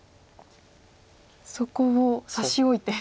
そこを差し置いて。